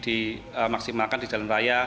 dimaksimalkan di dalam raya